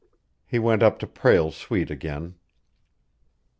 He went up to Prale's suite again.